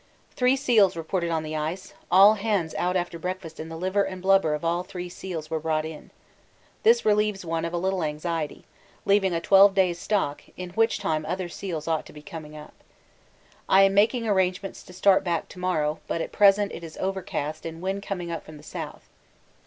Three seals reported on the ice; all hands out after breakfast and the liver and blubber of all three seals were brought in. This relieves one of a little anxiety, leaving a twelve days' stock, in which time other seals ought to be coming up. I am making arrangements to start back to morrow, but at present it is overcast and wind coming up from the south.